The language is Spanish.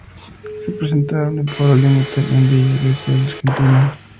Se presentaron en Pueblo Limite, en Villa Gesell, Argentina.